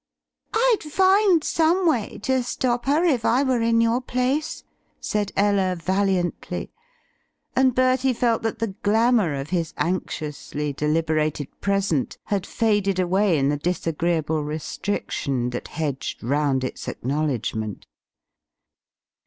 "I'd find some way to stop her if I were in your place," said Ella valiantly, and Bertie felt that the glamour of his anxiously deliberated present had faded away in the disagreeable restriction that hedged round its acknowledgment.